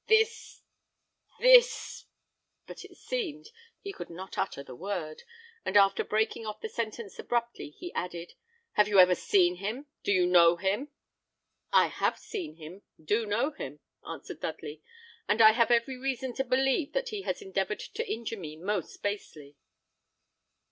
This, this " but it seemed he could not utter the word, and after breaking off the sentence abruptly, he added, "Have you ever seen him? Do you know him?" "I have seen him, do know him," answered Dudley; "and I have every reason to believe that he has endeavoured to injure me most basely."